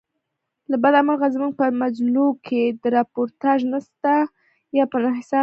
له بده مرغه زموږ په مجلوکښي راپورتاژ نسته یا په نه حساب دئ.